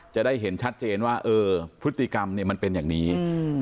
จะได้เห็นชัดเจนว่าเออพฤติกรรมเนี้ยมันเป็นอย่างนี้อืม